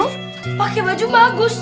tapi pake baju bagus